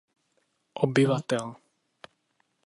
Obyvatel.